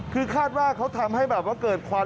คือคาดว่าเขาทำให้แบบว่าเกิดควัน